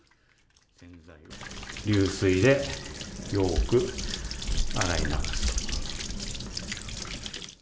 流水でよく洗い流す。